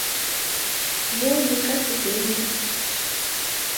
وہ یہ کر چکے ہیں۔